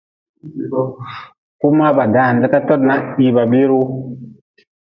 Kuma ba dan likatod na hii ba biiri wu.